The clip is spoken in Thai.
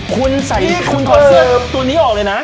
คุณใส่คุณถอดเสื้อตัวนี้ออกเลยนะ